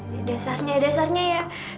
ya dasarnya dasarnya ya